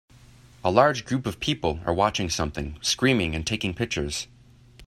A large group of people are watching something, screaming, and taking pictures.